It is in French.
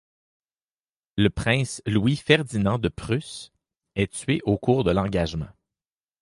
Le prince Louis-Ferdinand de Prusse est tué au cours de l'engagement.